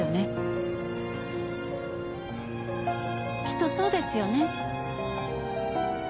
きっとそうですよね？